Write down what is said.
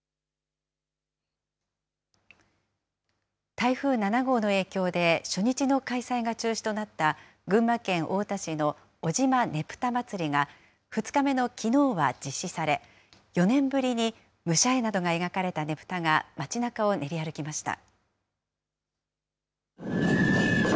台風７号の影響で、初日の開催が中止となった群馬県太田市の尾島ねぷたまつりが、２日目のきのうは実施され、４年ぶりに武者絵などが描かれたねぷたが街なかを練り歩きました。